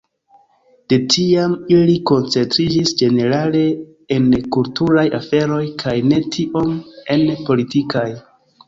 De tiam ili koncentriĝis ĝenerale en kulturaj aferoj kaj ne tiom en politikaj.